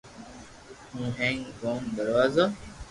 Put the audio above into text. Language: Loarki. ھین ھینگ گوم دروازا